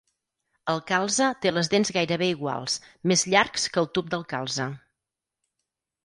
El calze té les dents gairebé iguals, més llargs que el tub del calze.